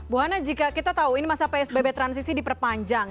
bu hana jika kita tahu ini masa psbb transisi diperpanjang